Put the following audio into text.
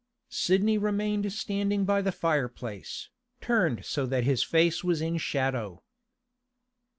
Sidney remained standing by the fireplace, turned so that his face was in shadow.